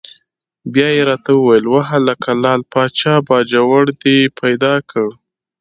بیا یې را ته وویل: وهلکه لعل پاچا باجوړ دې پیدا کړ؟!